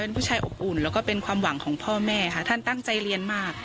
ผู้ชายอบอุ่นแล้วก็เป็นความหวังของพ่อแม่ค่ะท่านตั้งใจเรียนมาก